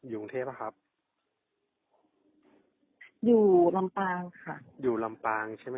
อยู่กรุงเทพฯครับอยู่ค่ะอยู่ใช่ไหมฮะ